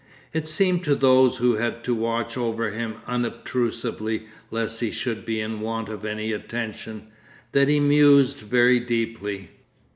It seemed to those who had to watch over him unobtrusively lest he should be in want of any attention, that he mused very deeply.